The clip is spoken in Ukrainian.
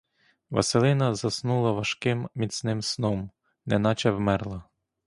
Василина заснула важким, міцним сном, неначе вмерла.